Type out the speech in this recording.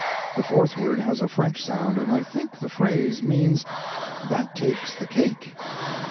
The fourth word has a French sound, and I think the phrase means "that takes the cake."